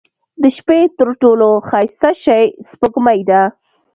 • د شپې تر ټولو ښایسته شی سپوږمۍ ده.